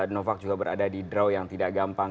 novac juga berada di draw yang tidak gampang